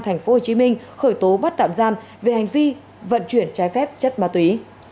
thành phố hồ chí minh khởi tố bắt tạm giam về hành vi vận chuyển chai phép chất ma túy